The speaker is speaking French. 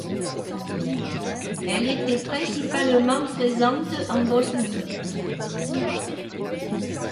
Elle était principalement présente en Bosnie.